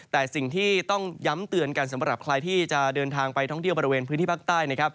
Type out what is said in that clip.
แต่สิ่งที่ต้องย้ำเตือนกันสำหรับใครที่จะเดินทางไปท่องเที่ยวบริเวณพื้นที่ภาคใต้นะครับ